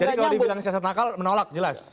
jadi kalau dibilang siasat nakal menolak jelas